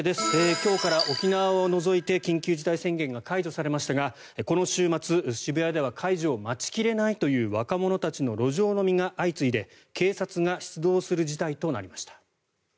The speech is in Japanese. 今日から沖縄を除いて緊急事態宣言が解除されましたがこの週末、渋谷では解除を待ち切れないという若者たちの路上飲みが相次いで警察が出動する事態となりました。